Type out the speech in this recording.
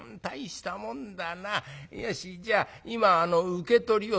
よしじゃあ今受け取りを」。